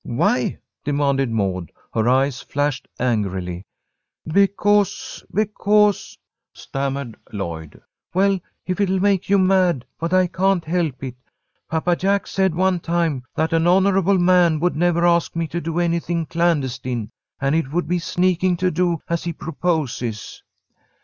"Why?" demanded Maud. Her eyes flashed angrily. "Because because," stammered Lloyd. "Well, it'll make you mad, but I can't help it. Papa Jack said one time that an honourable man would never ask me to do anything clandestine. And it would be sneaking to do as he proposes."